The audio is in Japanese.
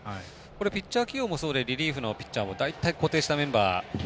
リリーフ起用もそうでリリーフのピッチャーも大体、固定したメンバー